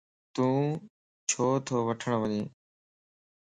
تون ڇو تو وٺڻ وڃين؟